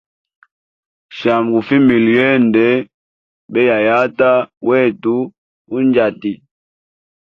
Shami gufimbile yende beyayata wetu unjati.